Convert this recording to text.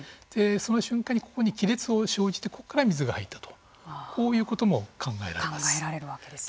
その瞬間にここに亀裂が生じてここから水が入ったとこういうことも考えられます。